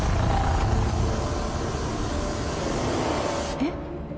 えっ！